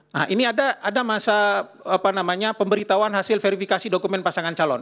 nah ini ada masa pemberitahuan hasil verifikasi dokumen pasangan calon